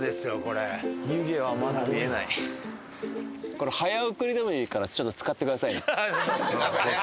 これ早送りでもいいからちゃんと使ってくださいね。